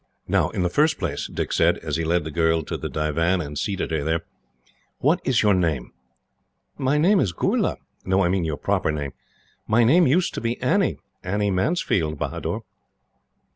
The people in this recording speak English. "Now, in the first place," Dick said, as he led the girl to the divan and seated her there, "what is your name?" "My name is Goorla." "No; I mean your proper name?" "My name used to be Annie Annie Mansfield, Bahador."